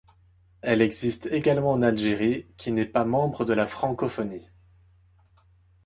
Elle existe également en Algérie, qui n'est pas membre de la Francophonie.